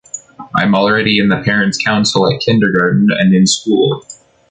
I'm already in the parents' council at kindergarten and in school.